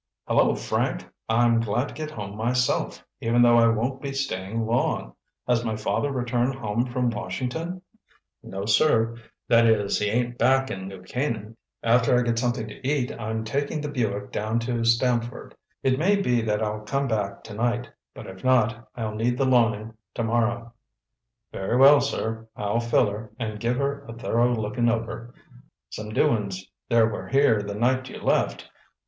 "Hello, Frank! I'm glad to get home myself, even though I won't be staying long. Has my father returned home from Washington?" "No sir. That is, he ain't back in New Canaan." "After I get something to eat, I'm taking the Buick down to Stamford. It may be that I'll come back tonight, but if not, I'll need the Loening tomorrow." "Very well, sir. I'll fill her and give her a thorough looking over. Some doin's there were here the night you left.